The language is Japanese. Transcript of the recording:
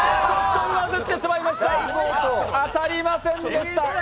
当たりませんでした。